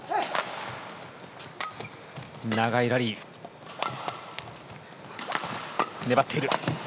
長いラリー。粘っている。